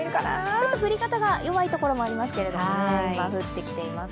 ちょっと降り方が、弱いところもありますけど今、降ってきています。